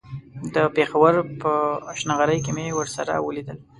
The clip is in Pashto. د پېښور په هشنغرۍ کې مې ورسره وليدل.